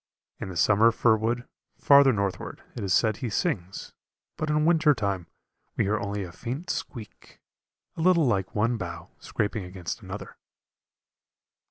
In the summer fir wood, farther northward, it is said he sings, but in winter time we hear only a faint squeak, a little like one bough scraping against another.